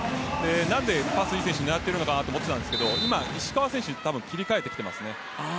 なぜ高橋選手を狙っているのかと思ったんですが今、石川選手に切り替えてきていますね。